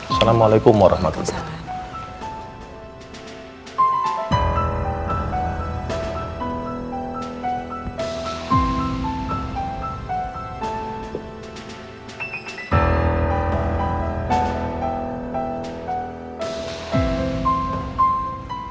assalamualaikum warahmatullahi wabarakatuh